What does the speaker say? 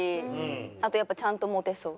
あとやっぱちゃんとモテそう。